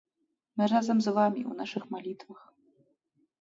Мы разам з вамі ў нашых малітвах!